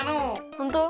ほんとう？